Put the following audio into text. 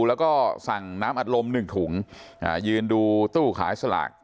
แล้วก็สั่งน้ำอัดลม๑ถุงยืนดูตู้ขายสลาก